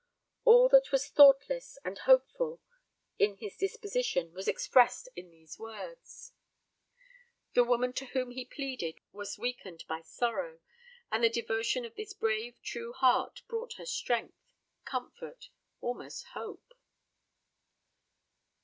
All that was thoughtless and hopeful in his disposition was expressed in these words. The woman to whom he pleaded was weakened by sorrow, and the devotion of this brave true heart brought her strength, comfort, almost hope.